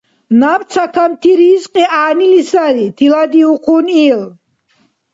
— Наб цакамти ризкьи гӏягӏнили сари, — тиладиухъун ил.